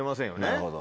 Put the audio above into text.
なるほど。